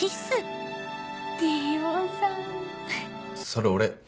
それ俺。